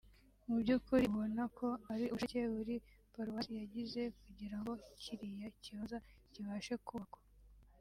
Mu by’ukuri ubona ko ari ubushake buri Paruwasi yagize kugira ngo kiriya kibanza kibashe kubakwa